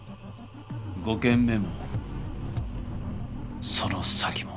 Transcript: ５件目もその先も。